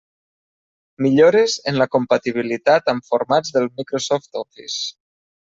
Millores en la compatibilitat amb formats del Microsoft Office.